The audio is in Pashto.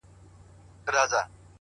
هم ښایسته هم په ځان غټ هم زورور دی-